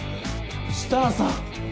設楽さん！